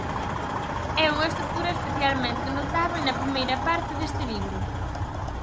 É unha estrutura especialmente notábel na primeira parte deste libro.